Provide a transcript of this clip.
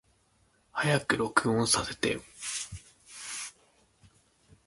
早く録音させてよ。